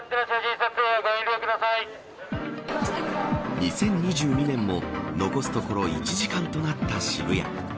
２０２２年も残すところ１時間となった渋谷。